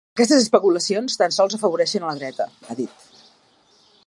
“Aquestes especulacions tan sols afavoreixen a la dreta”, ha dit.